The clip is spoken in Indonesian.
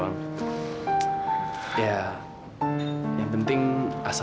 lebih bukit aku